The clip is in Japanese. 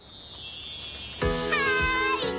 はい！